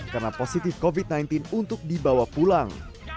karena positif covid sembilan belas untuk dibawa pulang